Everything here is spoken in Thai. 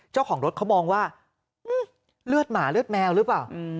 เจ้าของรถเขามองว่าเลือดหมาเลือดแมวหรือเปล่า